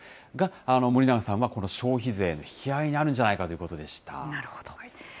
が、森永さんはこの消費税の引き上げにあるんじゃないかというこなるほど。